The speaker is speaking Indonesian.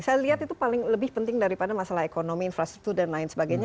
saya lihat itu paling lebih penting daripada masalah ekonomi infrastruktur dan lain sebagainya